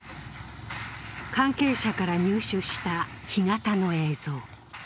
関係者から入手した干潟の映像。